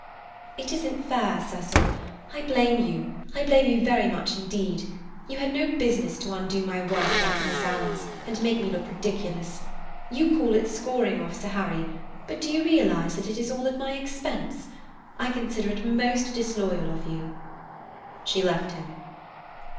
"It isn't fair, Cecil. I blame you—I blame you very much indeed. You had no business to undo my work about the Miss Alans, and make me look ridiculous. You call it scoring off Sir Harry, but do you realize that it is all at my expense? I consider it most disloyal of you." She left him.